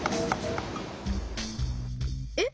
えっ！？